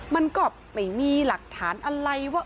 มันก็ไม่มีหลักฐานอะไรว่า